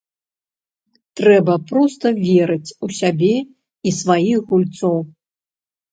Трэба проста верыць у сябе і сваіх гульцоў.